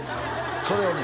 それをね